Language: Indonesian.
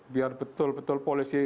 biar betul betul polisi